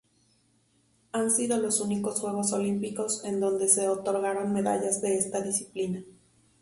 Han sido los únicos Juegos Olímpicos en donde se otorgaron medallas en esta disciplina.